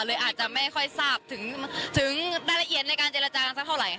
เลยอาจจะไม่ค่อยทราบถึงรายละเอียดในการเจรจากันสักเท่าไหร่ค่ะ